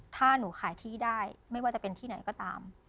ถ้าหนูขายที่ได้ไม่ว่าจะเป็นที่ไหนก็ตาม